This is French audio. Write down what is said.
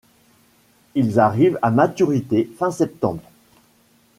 Ils arrivent à maturité fin septembre.